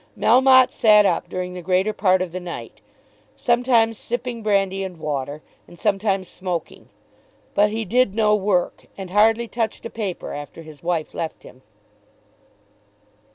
Melmotte sat up during the greater part of the night, sometimes sipping brandy and water, and sometimes smoking. But he did no work, and hardly touched a paper after his wife left him.